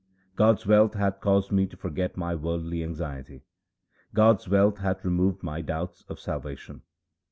God's wealth hath caused me to forget my worldly anxiety; God's wealth hath removed my doubts of salvation.